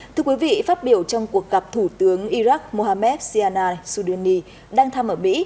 thưa quý vị phát biểu trong cuộc gặp thủ tướng iraq mohamed sianai soudani đang thăm ở mỹ